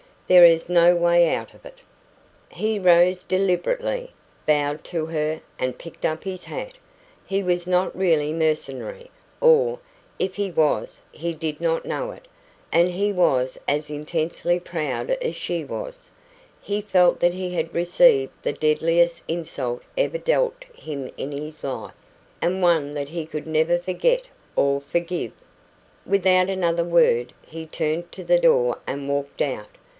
There is no way out of it." He rose deliberately, bowed to her, and picked up his hat. He was not really mercenary or, if he was, he did not know it and he was as intensely proud as she was. He felt that he had received the deadliest insult ever dealt him in his life, and one that he could never forget or forgive. Without another word, he turned to the door and walked out.